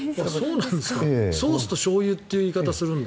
ソースとしょうゆって言い方をするんだ。